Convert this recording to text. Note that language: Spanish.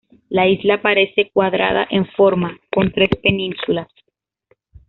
La isla parece cuadrada en forma, con tres penínsulas.